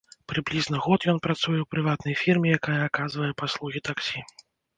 Прыблізна год ён працуе ў прыватнай фірме, якая аказвае паслугі таксі.